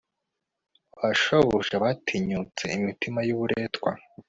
Ba shobuja batinyutse imitima yuburetwa